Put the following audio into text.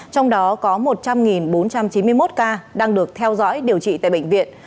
trong đó có một trăm linh bốn trăm chín mươi một ca đang được theo dõi điều trị tại bệnh viện